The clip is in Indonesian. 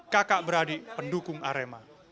kakak beradik pendukung arema